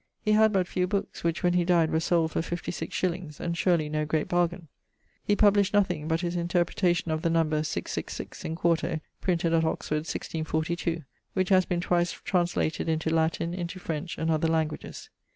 He had but few bookes, which when he dyed were sold for fifty six shillings, and surely no great bargaine. He published nothing but his Interpretation of the number 666, in 4to, printed at Oxford, 1642, which haz been twice translated into Latin, into French, and other languages[AX].